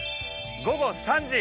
午後３時。